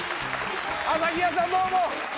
朝日屋さんどうも！